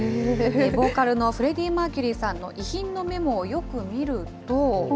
ボーカルのフレディ・マーキュリーさんの遺品のメモをよく見ると。